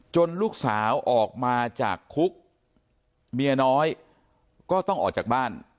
ลูกสาวออกมาจากคุกเมียน้อยก็ต้องออกจากบ้าน